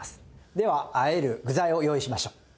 ではあえる具材を用意しましょう。